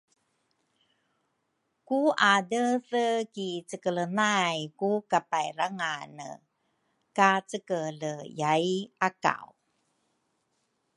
Ku adeethe ki cekele nay ku kapairangane ka cekele yai Akaw